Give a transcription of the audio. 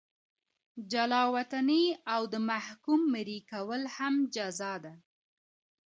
جلا وطني او د محکوم مریي کول هم جزا ده.